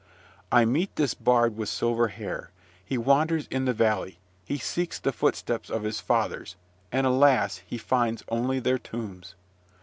I meet this bard with silver hair; he wanders in the valley; he seeks the footsteps of his fathers, and, alas! he finds only their tombs.